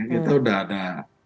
kita sudah ada